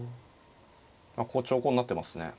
ここ長考になってますね。